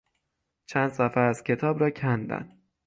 چند صفحه از کتاب را کندن